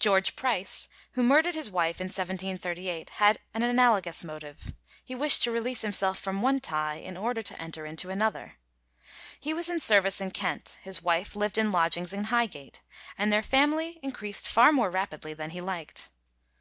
George Price, who murdered his wife in 1738, had an analogous motive: he wished to release himself from one tie in order to enter into another. He was in service in Kent, his wife lived in lodgings in Highgate, and their family increased far more rapidly than he liked.